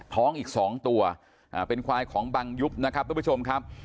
อีก๒ตัวเป็นควายของบังยุบนะครับทุกผู้ชมครับ